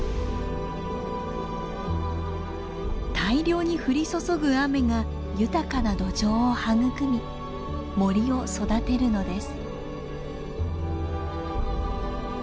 大量に降り注ぐ雨が豊かな土壌を育み森を育てるのです。